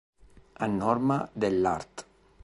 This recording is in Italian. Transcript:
A norma dell art.